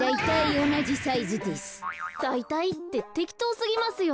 だいたいっててきとうすぎますよ。